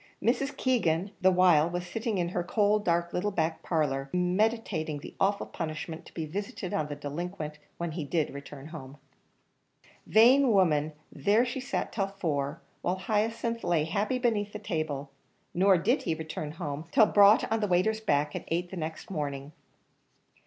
Mrs. Keegan the while was sitting in her cold, dark, little back parlour, meditating the awful punishment to be visited on the delinquent when he did return home. Vain woman, there she sat till four, while Hyacinth lay happy beneath the table; nor did he return home, till brought on the waiter's back, at eight the next morning.